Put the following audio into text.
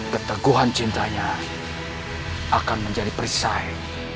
keteguhan cintanya akan menjadi perisai